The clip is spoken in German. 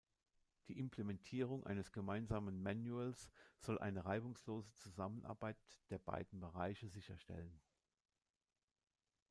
Die Implementierung eines gemeinsamen Manuals soll eine reibungslose Zusammenarbeit der beiden Bereiche sicherstellen.